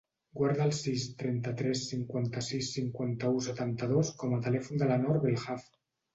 Guarda el sis, trenta-tres, cinquanta-sis, cinquanta-u, setanta-dos com a telèfon de la Nor Belhaj.